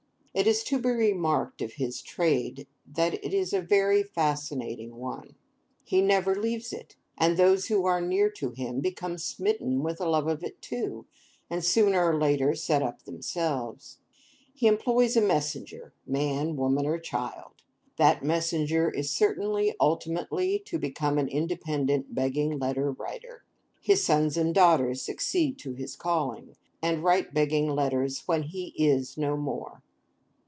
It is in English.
It is to be remarked of his trade that it is a very fascinating one. He never leaves it; and those who are near to him become smitten with a love of it, too, and sooner or later set up for themselves. He employs a messenger—man, woman, or child. That messenger is certain ultimately to become an independent Begging Letter Writer. His sons and daughters succeed to his calling, and write begging letters when he is no more.